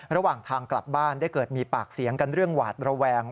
ระหว่างทางกลับบ้านได้เกิดมีปากเสียงกันเรื่องหวาดระแวง